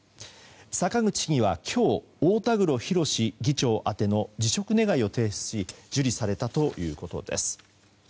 坂口市議は今日、大田黒博議長宛ての辞職願を提出し受理されたということです。